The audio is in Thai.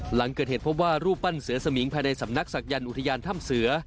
หลังเกิดเหตุพบว่ารูปปั้นเสือสมิงภายในสำนักศักยันต์อุทยานถ้ำเสือ